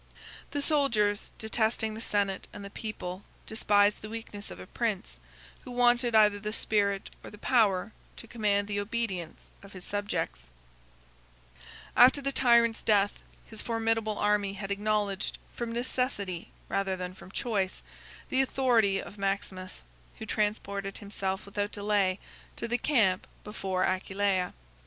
The soldiers, detesting the senate and the people, despised the weakness of a prince, who wanted either the spirit or the power to command the obedience of his subjects. 40 40 (return) [ Herodian, l. viii. p. 258.] After the tyrant's death, his formidable army had acknowledged, from necessity rather than from choice, the authority of Maximus, who transported himself without delay to the camp before Aquileia.